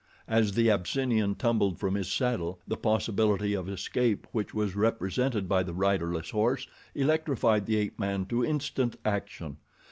As the Abyssinian tumbled from his saddle the possibility of escape which was represented by the riderless horse electrified the ape man to instant action.